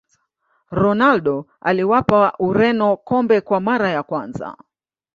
ronaldo aliwapa ureno kombe kwa mara ya kwanza